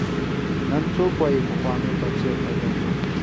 نن څوک وايي پخوانو تفسیر ته ګرځو.